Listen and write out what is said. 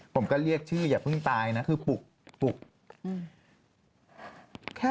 ผมก็เรียกชื่ออย่าเพิ่งตายนะคือปลุกปลุกอืม